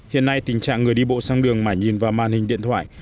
hiện nay tình trạng người đi bộ sang đường mãi nhìn vào màn hình điện thoại